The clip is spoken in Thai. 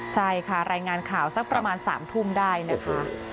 ใช่ค่ะรายงานข่าวสักประมาณ๓ทุ่มได้นะคะ